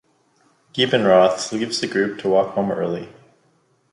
Giebenrath leaves the group to walk home early.